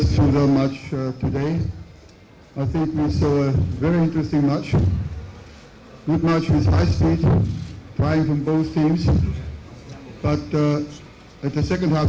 saya pikir ini adalah pertandingan yang sangat menarik